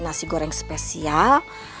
nasi goreng spesial